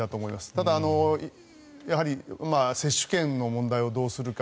ただ、やはり接種券の問題をどうするか。